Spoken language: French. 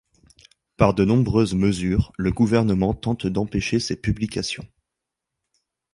Par de nombreuses mesures, le gouvernement tente d'empêcher ses publications.